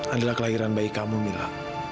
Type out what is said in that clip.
adalah kelahiran bayi kamu mila